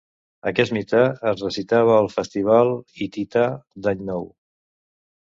Aquest mite es recitava al Festival hitita d'Any Nou.